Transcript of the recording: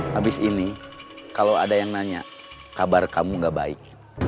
habis ini kalau ada yang nanya kabar kamu gak baik